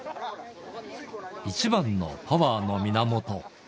一番のパワーの源。